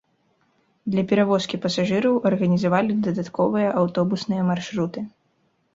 Для перавозкі пасажыраў арганізавалі дадатковыя аўтобусныя маршруты.